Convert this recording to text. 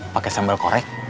pake sambal korek